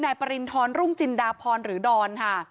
นายปริณธรรมรุงจินดาพรหรือดอนค่ะ